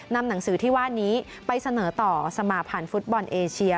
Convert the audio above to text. นำหนังสือที่ว่านี้ไปเสนอต่อสมาพันธ์ฟุตบอลเอเชีย